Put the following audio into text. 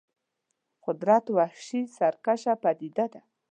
قدرت وحشي سرکشه پدیده ده.